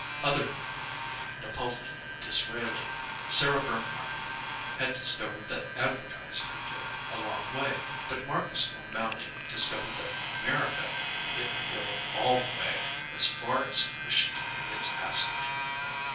Other people Napoleon, Disraeli, Sarah Bernhardt had discovered that advertising would go a long way; but Marcus O'Mally discovered that in America it would go all the way as far as you wished to pay its passage.